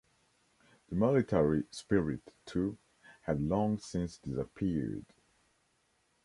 The military spirit, too, had long since disappeared.